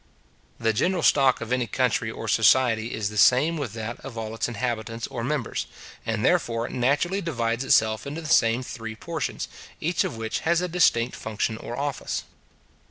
The general stock of any country or society is the same with that of all its inhabitants or members; and, therefore, naturally divides itself into the same three portions, each of which has a distinct function or office.